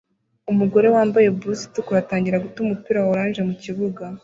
Umugore wambaye blusi itukura atangira guta umupira wa orange mukibuga